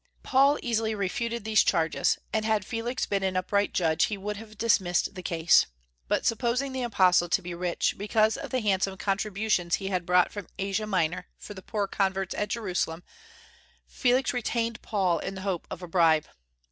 Paul easily refuted these charges, and had Felix been an upright judge he would have dismissed the case; but supposing the apostle to be rich because of the handsome contributions he had brought from Asia Minor for the poor converts at Jerusalem, Felix retained Paul in the hope of a bribe.